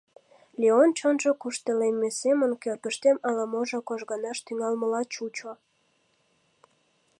Леон чонжо куштылемме семын кӧргыштем ала-можо кожганаш тӱҥалмыла чучо.